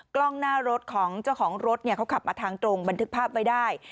กล้องหน้ารถของเจ้าของรถเขาขับมาทางตรงบันทึกภาพไว้ได้